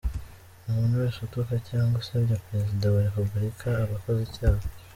Umuntu wese utuka cyangwa usebya Perezida wa Repubulika, aba akoze icyaha.